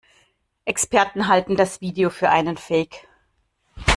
Experten halten das Video für einen Fake.